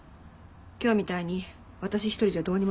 今日みたいに私一人じゃどうにもならない時もあるし。